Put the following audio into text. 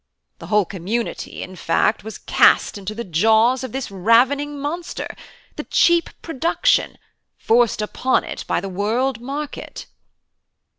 The whole community, in fact, was cast into the jaws of this ravening monster, 'the cheap production' forced upon it by the World Market."